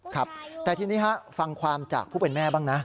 ครับแต่ทีนี้ฟังความจากผู้เป็นแม่บ้างนะ